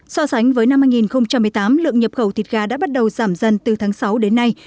so sánh với năm hai nghìn một mươi tám lượng nhập khẩu thịt gà đã bắt đầu giảm dần từ tháng sáu đến nay